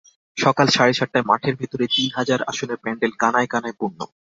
সকাল সাড়ে সাতটায় মাঠের ভেতরে তিন হাজার আসনের প্যান্ডেল কানায় কানায় পূর্ণ।